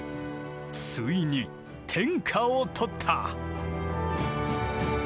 ついに天下をとった。